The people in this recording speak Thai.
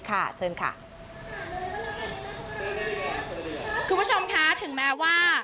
คุณผู้ชมคะถึงแม้ว่า